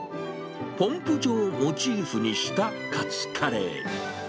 ポンプ場をモチーフにしたカツカレー。